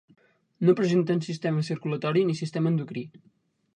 No presenten sistema circulatori ni sistema endocrí.